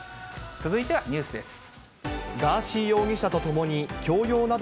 続いてはニュースです。